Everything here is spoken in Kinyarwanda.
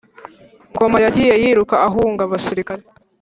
Ngoma yagiye yiruka ahunga abasirikare